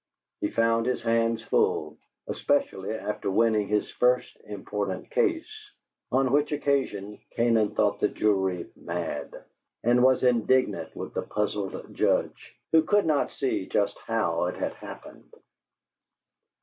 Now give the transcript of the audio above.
He found his hands full, especially after winning his first important case on which occasion Canaan thought the jury mad, and was indignant with the puzzled Judge, who could not see just how it had happened.